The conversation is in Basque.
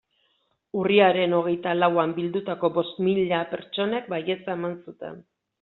Urriaren hogeita lauan bildutako bost mila pertsonek baietza eman zuten.